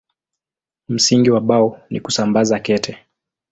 Msingi wa Bao ni kusambaza kete.